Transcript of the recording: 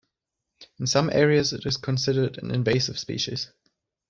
In some areas it is considered an invasive species.